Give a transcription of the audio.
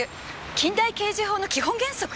近代刑事法の基本原則よ？